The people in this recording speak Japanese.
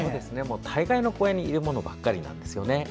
大概の公園にいるものばかりなんですよね。